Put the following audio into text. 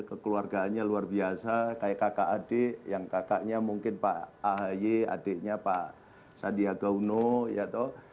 kekeluargaannya luar biasa kayak kakak adik yang kakaknya mungkin pak ahy adiknya pak sandiaga uno ya toh